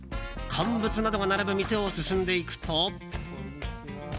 乾物などが並ぶ店を進んでいくと。